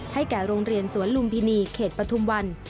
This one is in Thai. แก่โรงเรียนสวนลุมพินีเขตปฐุมวัน